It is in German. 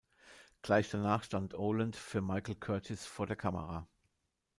Gleich danach stand Oland für Michael Curtiz vor der Kamera.